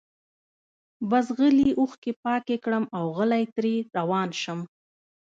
بس غلي اوښکي پاکي کړم اوغلی ترې روان شم